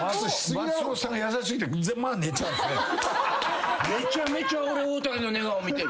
めちゃめちゃ俺大竹の寝顔見てる。